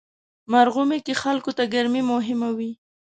مرغومی کې خلکو ته ګرمي مهمه وي.